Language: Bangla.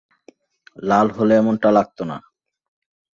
লাল হলে এমনটা লাগতো না।